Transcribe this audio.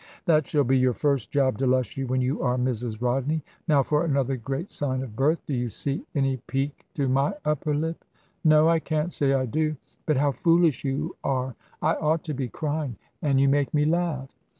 "That shall be your first job, Delushy, when you are Mrs Rodney. Now for another great sign of birth. Do you see any peak to my upper lip?" "No, I can't say I do. But how foolish you are! I ought to be crying, and you make me laugh."